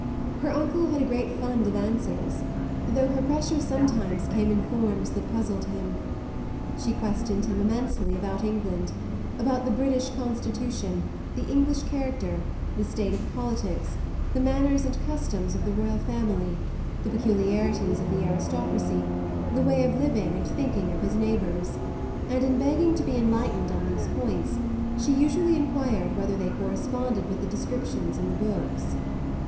Her uncle had a great fund of answers, though her pressure sometimes came in forms that puzzled him. She questioned him immensely about England, about the British constitution, the English character, the state of politics, the manners and customs of the royal family, the peculiarities of the aristocracy, the way of living and thinking of his neighbours; and in begging to be enlightened on these points she usually enquired whether they corresponded with the descriptions in the books.